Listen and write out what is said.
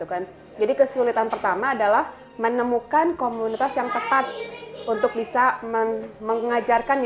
apa yang dimaksud loket skipus dari harian men cheese and uncle grant